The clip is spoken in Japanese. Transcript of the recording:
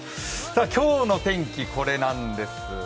今日の天気、これなんです。